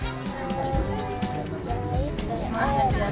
ma kerjaan kan peter